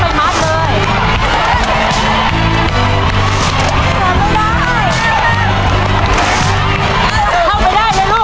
เอายกไปหมดเลย